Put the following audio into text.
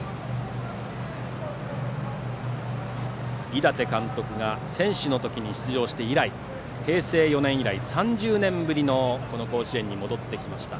井達監督が選手の時に出場して以来平成４年以来、３０年ぶりの甲子園に戻ってきました。